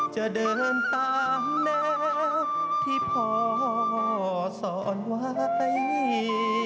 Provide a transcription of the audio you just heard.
จะเดินตามแนวที่พ่อสอนไว้